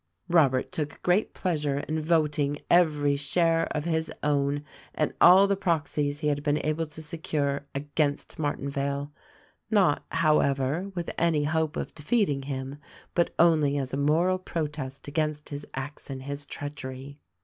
Robert took great pleasure in voting every share of his own and all the proxies he had been able to secure, against Martinvale — not, however, with any hope of defeating him, but only as a moral protest against his acts and his treachery.